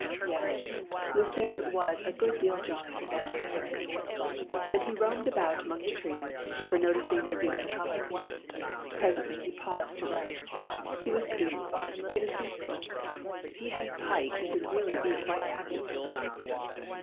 Yes Lucerne was a good deal jollier than Paris. And he roamed about among the trees, never noticing their beautiful colours. Presently he paused to rest. He was soothed even peaceful. If he had Pike he could really be quite happy, he thought.